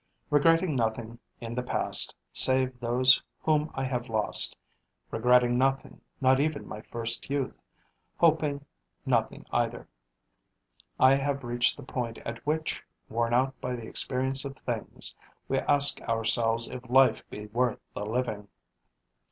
Regretting nothing in the past, save those whom I have lost; regretting nothing, not even my first youth; hoping nothing either, I have reached the point at which, worn out by the experience of things, we ask ourselves if life be worth the living.